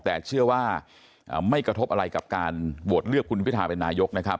แต่เชื่อว่าไม่กระทบอะไรกับการโหวตเลือกคุณพิทาเป็นนายกนะครับ